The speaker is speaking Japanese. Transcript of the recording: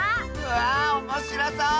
わあおもしろそう！